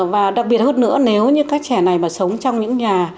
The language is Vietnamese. và đặc biệt hơn nữa nếu như các trẻ này mà sống trong những nhà